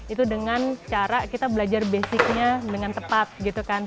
itu dengan cara kita belajar basicnya dengan tepat gitu kan